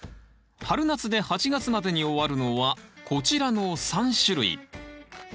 春夏で８月までに終わるのはこちらの３種類。